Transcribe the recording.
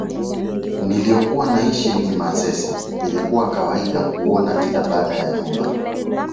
niliyokuwa naishi ni Manzese ilikuwa kawaida kuona kila baada ya nyumba